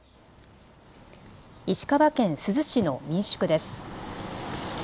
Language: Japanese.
石川県珠洲市の民宿です。